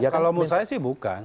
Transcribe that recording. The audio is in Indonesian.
kalau menurut saya sih bukan